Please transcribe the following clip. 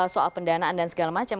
soal pendanaan dan segala macam